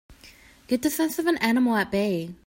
Get the sense of an animal at bay!